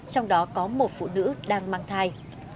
trong đó có một phụ nữ đang mang thai